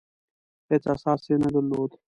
هېڅ اساس یې نه درلود.